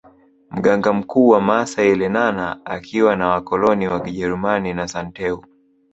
Mganga mkuu wa maasai Lenana akiwa na wakoloni wa kijerumani na Santeu